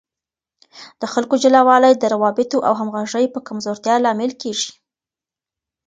د خلکو جلاوالی د روابطو او همغږۍ په کمزورتیا لامل کیږي.